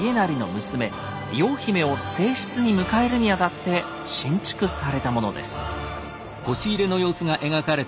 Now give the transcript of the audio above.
溶姫を正室に迎えるにあたって新築されたものです。